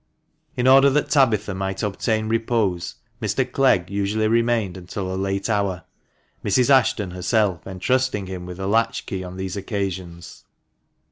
In order that Tabitha might obtain repose, Mr. Clegg usually remained until a late hour, Mrs. Ashton herself entrusting him with a latch key on these occasions.